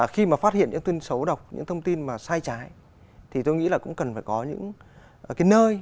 khi mà phát hiện những tin xấu độc những thông tin mà sai trái thì tôi nghĩ là cũng cần phải có những cái nơi